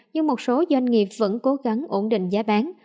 nhưng một số doanh nghiệp vẫn cố gắng ổn định giá bán